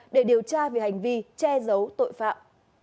để điều tra về hành vi che giấu tội phạm